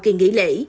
kỳ nghỉ lễ